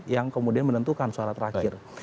yang kemudian menentukan suara terakhir